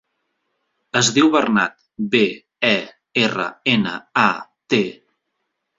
Es diu Bernat: be, e, erra, ena, a, te.